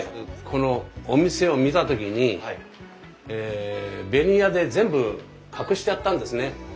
このお店を見た時にベニヤで全部隠してあったんですね。